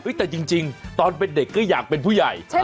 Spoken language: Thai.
แต่จริงตอนเป็นเด็กก็อยากเป็นผู้ใหญ่